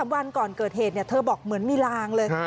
วันก่อนเกิดเหตุเธอบอกเหมือนมีลางเลย